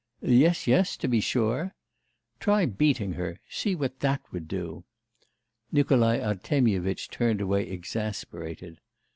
'Yes, yes, to be sure.' 'Try beating her; see what that would do.' Nikolai Artemyevitch turned away exasperated.